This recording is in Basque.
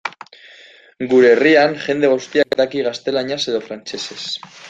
Gure herrian jende guztiak daki gaztelaniaz edo frantsesez.